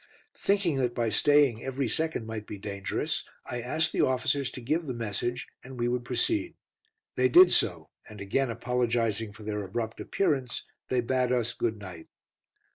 Thinking that by staying every second might be dangerous, I asked the officers to give the message, and we would proceed. They did so, and again apologising for their abrupt appearance, they bade us "good night."